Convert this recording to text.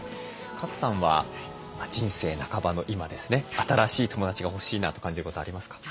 賀来さんは人生半ばの今ですね新しい友だちが欲しいなと感じることありますか？